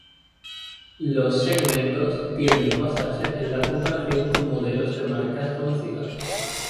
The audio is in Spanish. Los segmentos tienden a basarse en la comparación con modelos de marcas conocidas.